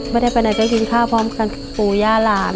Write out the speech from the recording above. ไม่ได้ไปไหนก็กินข้าวพร้อมกันปู่ย่าหลาน